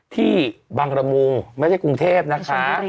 ที่บังระมุงไม่ใช่กรุงเทพนะคะ